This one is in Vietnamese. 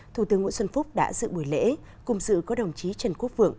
thủ tướng nguyễn xuân phúc đã dự buổi lễ cùng dự có đồng chí trần quốc vượng